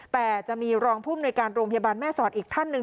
แต่จะมีรองภูมิในการโรงพยาบาลแม่สอดอีกท่านหนึ่ง